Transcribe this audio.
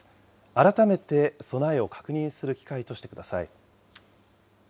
改めて備えを確認する機会としてください。